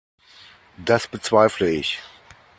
Das bezweifle ich.